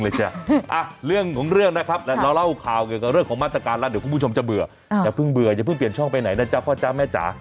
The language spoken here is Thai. อย่าเพิ่งเบื่ออย่าเพิ่งเปลี่ยนช่องไปไหนนะจ๊ะพ่อจ๊ะแม่จ๋า